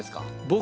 僕。